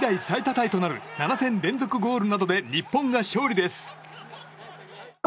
タイとなる７戦連続ゴールなどで日本が勝利です。